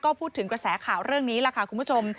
ก็พูดถึงกระแสข่าวเรื่องนี้ล่ะค่ะคุณผู้ชม